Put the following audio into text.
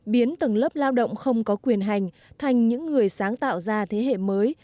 biến tầng lớp lao động không có quyền hành thành những người sáng tạo ra thế hệ mới